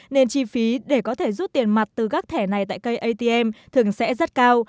nên chi phí để có thể rút tiền mặt từ các thẻ này tại cây atm thường sẽ rất cao